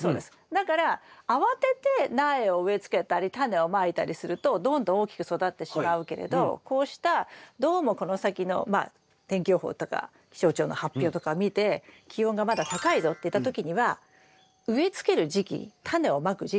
だから慌てて苗を植え付けたりタネをまいたりするとどんどん大きく育ってしまうけれどこうしたどうもこの先のまあ天気予報とか気象庁の発表とかを見て気温がまだ高いぞっていった時には植え付ける時期タネをまく時期を少しずらす。